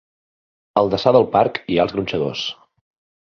Al deçà del parc hi ha els gronxadors.